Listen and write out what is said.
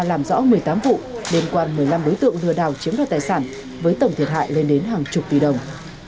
làm rõ một mươi tám vụ đềm quan một mươi năm đối tượng lừa đào chiếm đoàn tài sản với tổng thiệt hại lên đến hàng chục tỷ đồng